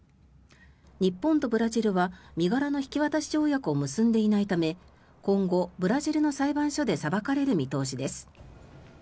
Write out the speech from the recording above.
日本とブラジルは身柄の引き渡し条約を結んでいないため今後、ブラジルの裁判所で裁かれる見通しです。